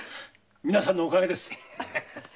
皆さんのおかげです。